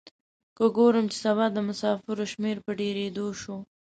که ګورم چې بیا د مسافرو شمیر په ډیریدو شو.